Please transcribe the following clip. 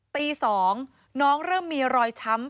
ตี๒น้องเริ่มมีรอยช้ำ